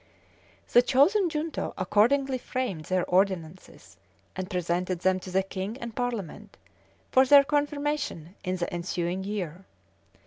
[*] {1311.} The chosen junto accordingly framed their ordinances, and presented them to the king and parliament, for their confirmation in the ensuing year.